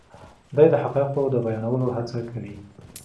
دی د حقایقو د بیانولو هڅه کوي.